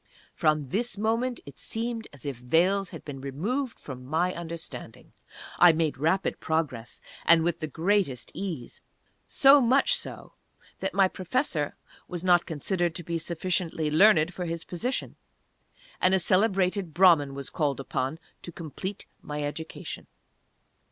From this moment it seemed as if veils had been removed from my understanding. I made rapid progress, and with the greatest ease. So much so, that my Professor was not considered to be sufficiently learned for his position, and a celebrated Brahman was called upon to complete my education.